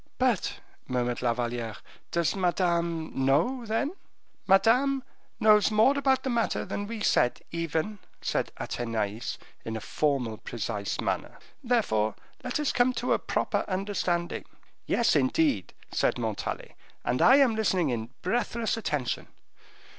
"But," murmured La Valliere, "does Madame know, then " "Madame knows more about the matter than we said, even," said Athenais, in a formal, precise manner. "Therefore let us come to a proper understanding." "Yes, indeed," said Montalais, "and I am listening in breathless attention."